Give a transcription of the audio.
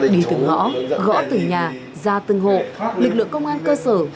đi từ ngõ gõ từ nhà ra từng hộ lực lượng công an cơ sở